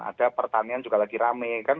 ada pertanian juga lagi rame kan